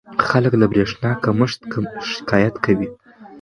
خلک له برېښنا کمښت شکایت کوي.